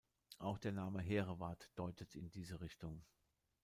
Auch der Name Hereward deutet in diese Richtung.